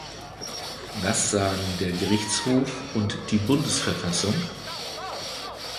Was sagen der Gerichtshof und die Bundesverfassung?